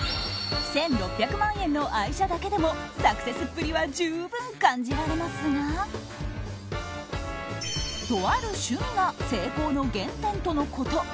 １６００万円の愛車だけでもサクセスっぷりは十分感じられますがとある趣味が成功の原点とのこと。